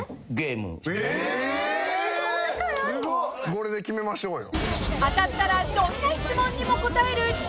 これで決めましょうよ。